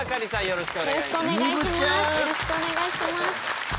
よろしくお願いします。